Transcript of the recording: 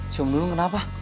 siom dung kenapa